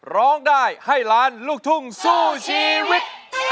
ร้องได้ให้ล้านลูกทุ่งสู้ชีวิต